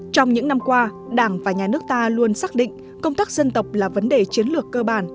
trong những năm qua đảng và nhà nước ta luôn xác định công tác dân tộc là vấn đề chiến lược cơ bản